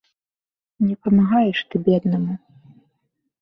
Не памагаеш ты беднаму!